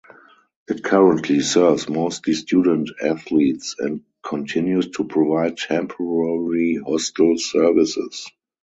It currently serves mostly student athletes and continues to provide temporary hostel services.